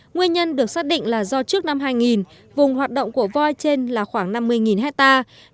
nguyên nhân được xác định là do trước năm hai nghìn vùng hoạt động của voi trên là khoảng năm mươi hectare